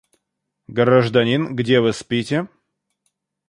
Гражданин, где вы спите?